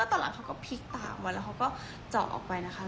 ตอนหลังเขาก็พลิกตามมาแล้วเขาก็เจาะออกไปนะคะ